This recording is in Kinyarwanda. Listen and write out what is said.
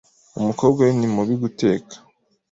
Umukobwa we ni mubi guteka.